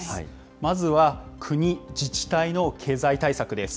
まずは国・自治体の経済対策です。